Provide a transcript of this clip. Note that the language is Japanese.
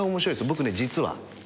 僕ね実は。